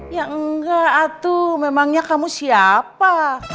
ya enggak itu memangnya kamu siapa